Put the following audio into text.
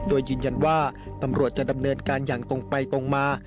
โดยยืนยันว่าตำรวจจะดำเนินการอย่างตรงไปตรงมา